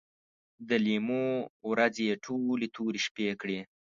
د لیمو ورځې یې ټولې تورې شپې کړې